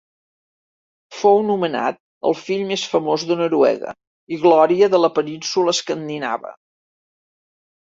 Fou nomenat el fill més famós de Noruega i glòria de la península escandinava.